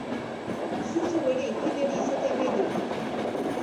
Zu zeu ere ingeniari izatea nahi dugu!